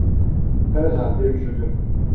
Herhalde üşüdüm…